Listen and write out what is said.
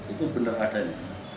itu benar adanya